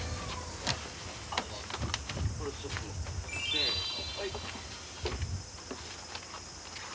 せの。